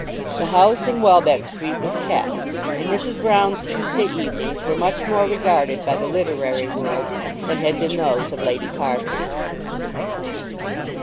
The house in Welbeck Street was kept, and Mrs. Broune's Tuesday evenings were much more regarded by the literary world than had been those of Lady Carbury.